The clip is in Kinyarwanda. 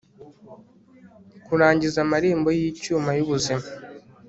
kurangiza amarembo yicyuma yubuzima